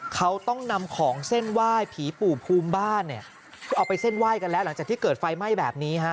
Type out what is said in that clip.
เขาต้องนำของเส้นไหว้ผีปู่ภูมิบ้านเนี่ยคือเอาไปเส้นไหว้กันแล้วหลังจากที่เกิดไฟไหม้แบบนี้ฮะ